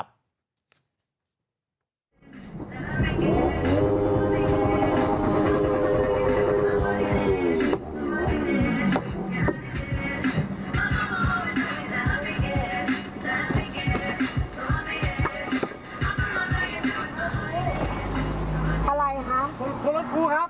คนรถครูครับคุณคนรถครูครับ